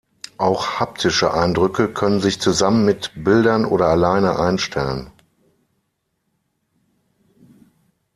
Auch haptische Eindrücke können sich zusammen mit Bildern oder alleine einstellen.